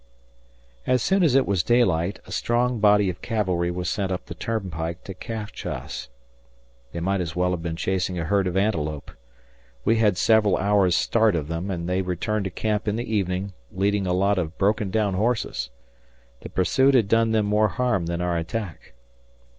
As soon as it was daylight, a strong body of cavalry was sent up the turnpike to catch us they might as well have been chasing a herd of antelope. We had several hours' start of them, and they returned to camp in the evening, leading a lot of broken down horses. The pursuit had done them more harm than our attack.